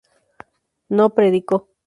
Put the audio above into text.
no predico